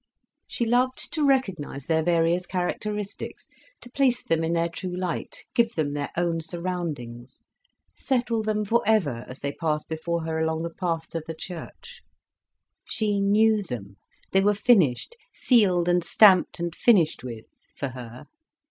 She loved to recognise their various characteristics, to place them in their true light, give them their own surroundings, settle them for ever as they passed before her along the path to the church. She knew them, they were finished, sealed and stamped and finished with, for her.